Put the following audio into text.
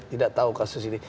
tidak tahu kasus ini